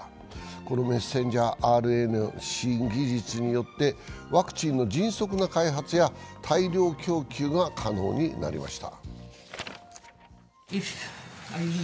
このメッセンジャーＲＮＡの新技術によってワクチンの迅速な開発や大量供給が可能になりました。